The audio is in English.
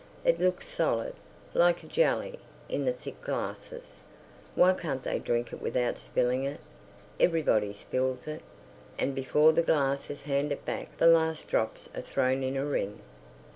It looks solid, like a jelly, in the thick glasses. Why can't they drink it without spilling it? Everybody spills it, and before the glass is handed back the last drops are thrown in a ring.